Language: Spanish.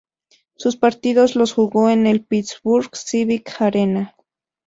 Sus partidos los jugó en el Pittsburgh Civic Arena.